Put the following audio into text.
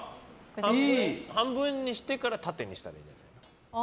半分にしてから縦にしたらいいんじゃない？